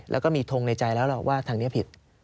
แล้วก็มีทงในใจแล้วล่ะว่าทางนี้ผิด